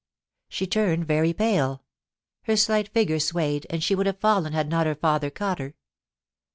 She turned very pale ; her slight figure swayed, and she would have fallen had not her father caught her.